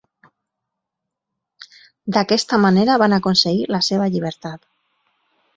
D'aquesta manera van aconseguir la seva llibertat.